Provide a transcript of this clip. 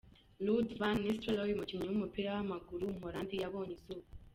Ruud van Nistelrooy, umukinnyi w’umupira w’amaguru w’umuholandi yabonye izuba.